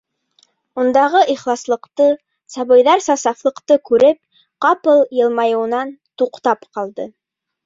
Ундағы ихласлыҡты, сабыйҙарса сафлыҡты күреп, ҡапыл йылмайыуынан туҡтап ҡалды.